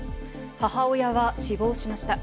母親が死亡しました。